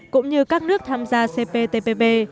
cũng như các nước tham gia cptpp